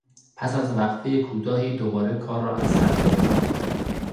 پس از وقفهی کوتاهی دوباره کار را از سر گرفتند.